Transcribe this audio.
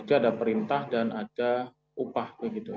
ada perintah dan ada upah begitu